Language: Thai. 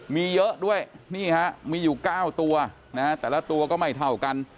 มีเยอะด้วยนี่ฮะมีอยู่๙ตัวนะฮะแต่ละตัวก็ไม่เท่ากัน